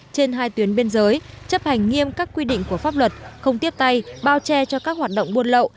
trên hai tuyến biên giới chấp hành nghiêm các quy định của pháp luật không tiếp tay bao che cho các hoạt động buôn lậu